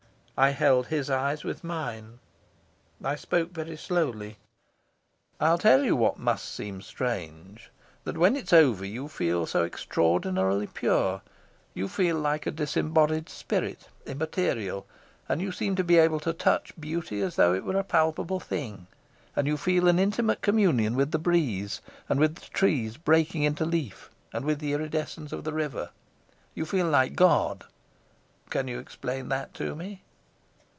I held his eyes with mine. I spoke very slowly. "I'll tell you what must seem strange, that when it's over you feel so extraordinarily pure. You feel like a disembodied spirit, immaterial; and you seem to be able to touch beauty as though it were a palpable thing; and you feel an intimate communion with the breeze, and with the trees breaking into leaf, and with the iridescence of the river. You feel like God. Can you explain that to me?"